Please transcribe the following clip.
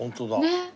ねっ。